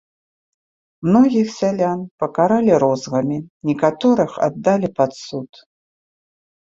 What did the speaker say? Многіх сялян пакаралі розгамі, некаторых аддалі пад суд.